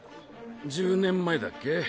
１０年前だっけ？